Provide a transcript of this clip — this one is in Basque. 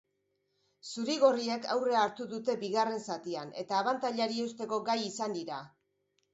Zuri-gorriek aurrea hartu dute bigarren zatian eta abantailari eusteko gai izan dira.